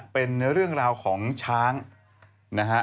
เป็นเรื่องราวของช้างนะฮะ